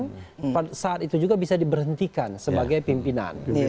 yang saat itu juga bisa diberhentikan sebagai pimpinan